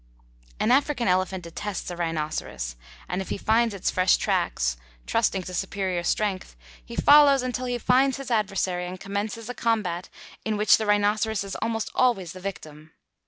An African elephant detests a rhinoceros, and if he finds its fresh tracks, trusting to superior strength, he follows until he finds his adversary and commences a combat in which the rhinoceros is almost always the victim.